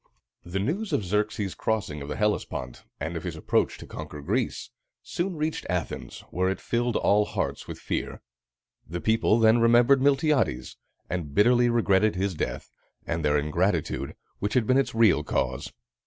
The news of Xerxes' crossing of the Hellespont, and of his approach to conquer Greece, soon reached Athens, where it filled all hearts with fear. The people then remembered Miltiades, and bitterly regretted his death, and their ingratitude, which had been its real cause.